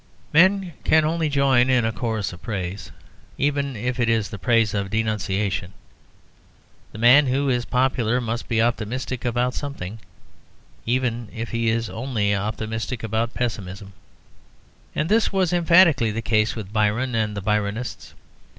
Men can only join in a chorus of praise, even if it is the praise of denunciation. The man who is popular must be optimistic about something, even if he is only optimistic about pessimism. And this was emphatically the case with Byron and the Byronists.